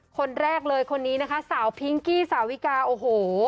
คนแรกเลยคนนี้นะคะสาวพิงกี้สาวิกาโอ้โห